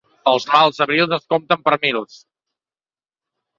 Els mals abrils es compten per mils.